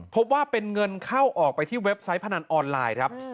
พบว่าเป็นเงินเข้าออกไปที่เว็บไซต์พนันออนไลน์ครับ